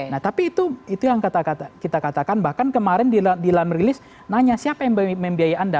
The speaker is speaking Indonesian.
nah tapi itu yang kita katakan bahkan kemarin di dalam rilis nanya siapa yang membiayai anda